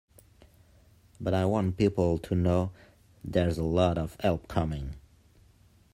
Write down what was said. But I want people to know there's a lot of help coming.